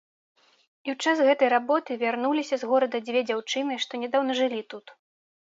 І ў час гэтай работы вярнуліся з горада дзве дзяўчыны, што нядаўна жылі тут.